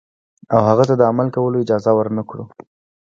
او هغه ته د عمل کولو اجازه ورنکړو.